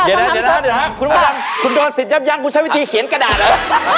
เจ๊น้าคุณมุดนำคุณโดนสิทธิ์ยับยังคุณใช้วิธีเขียนกระดาษเหรอ